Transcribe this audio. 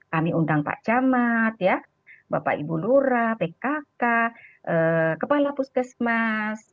kami undang pak camat bapak ibu lura pkk kepala puskesmas